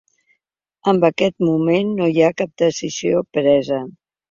En aquest moment no hi ha cap decisió presa.